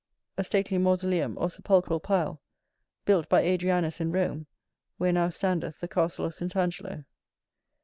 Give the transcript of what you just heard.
[CA] A stately mausoleum or sepulchral pile, built by Adrianus in Rome, where now standeth the castle of St Angelo.